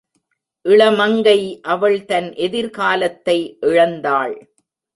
இளமங்கை அவள் தன் எதிர்காலத்தை இழந்தாள்.